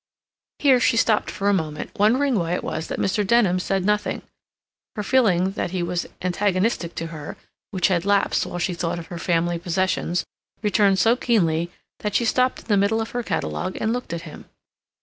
Here she stopped for a moment, wondering why it was that Mr. Denham said nothing. Her feeling that he was antagonistic to her, which had lapsed while she thought of her family possessions, returned so keenly that she stopped in the middle of her catalog and looked at him.